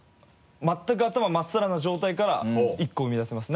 まったく頭真っさらの状態から１個生み出せます。